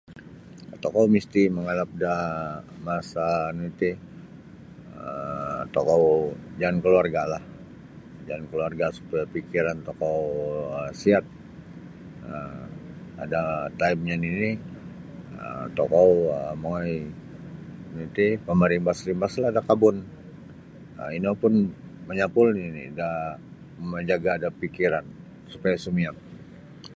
Tokou misti' mangalap daa masa nu iti um tokou jaan kaluarga'lah jaan kaluarga' supaya fikiran tokou um siat um ada taimnyo nini' um tokou mongoi nu iti pamarimbas-rimbaslah da kabun um ino pun manyapul nini' da mamajaga' da pikiran supaya sumiat.